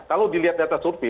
kalau dilihat data survei